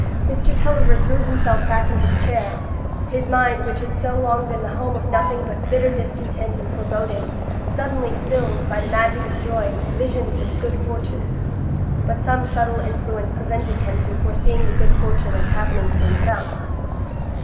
Mr Tulliver threw himself back in his chair; his mind, which had so long been the home of nothing but bitter discontent and foreboding, suddenly filled, by the magic of joy, with visions of good fortune. But some subtle influence prevented him from foreseeing the good fortune as happening to himself.